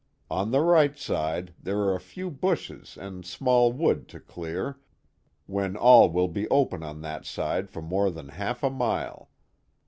On the right side there are a few Bushes and small Wood to clear, when all will be open on that side for more than half a mile.